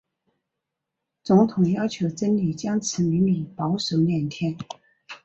总统要求珍妮将此秘密保守两天。